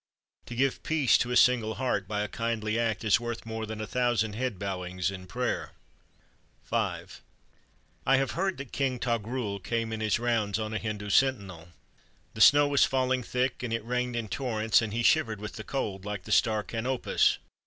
To give peace to a single heart by a kindly act is worth more than a thousand head bowings in prayer!" I have heard that King Toghrul came in his rounds on a Hindu sentinel. The snow was falling thick, and it rained in torrents, and he shivered with the cold like the star Canopus.